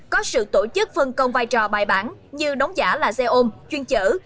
có sự tổ chức phân công vai trò bài bản như đóng giả là xe ôm chuyên chở